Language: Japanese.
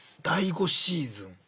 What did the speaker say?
第５シーズン。